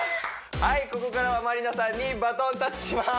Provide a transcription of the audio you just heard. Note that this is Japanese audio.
はいここからはまりなさんにバトンタッチします